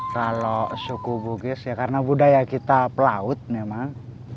kalau suku bugis ya karena budaya kita pelaut memang